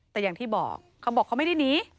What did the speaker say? แต่อย่างที่บอกเขาบอกเขาไม่ได้หนี